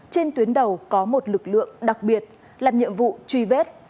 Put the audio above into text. trên tuyến đầu có một lực lượng đặc biệt làm nhiệm vụ truy vết